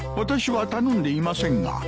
私は頼んでいませんが。